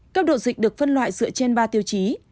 cấp độ dịch được phân loại dựa trên ba tiêu chí